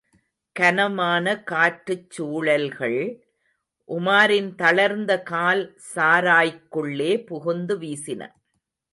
கனமான காற்றுச்சூழல்கள், உமாரின் தளர்ந்த கால் சாராய்க்குள்ளே புகுந்து வீசின.